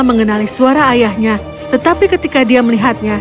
mengenali suara ayahnya tetapi ketika dia melihatnya